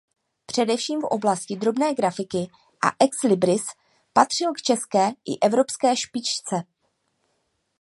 Především v oblasti drobné grafiky a ex libris patřil k české i evropské špičce.